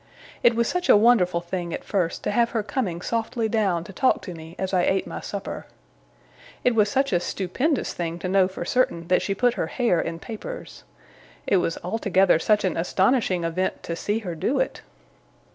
It was such a wonderful thing, at first, to have her coming softly down to talk to me as I ate my supper. It was such a stupendous thing to know for certain that she put her hair in papers. It was altogether such an astonishing event to see her do it!